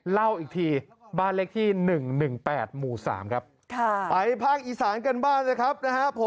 เล่าอีกทีบ้านเลขที่๑๑๘หมู่๓ครับไปภาคอีสานกันบ้างนะครับผม